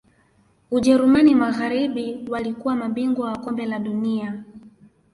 ujerumani magharibi walikuwa mabingwa wa kombe la dunia